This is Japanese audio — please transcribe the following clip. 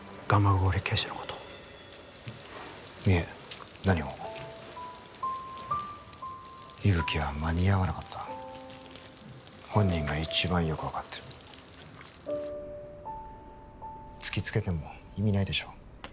蒲郡刑事のこといえ何も伊吹は間に合わなかった本人が一番よく分かってる突きつけても意味ないでしょう